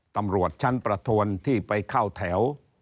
ตำรวจชั้นประทวนที่ไปเข้าแถว